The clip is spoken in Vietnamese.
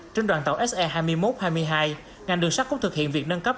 trên đoàn tàu se hai mươi một hai mươi hai ngành đường sắt cũng thực hiện việc nâng cấp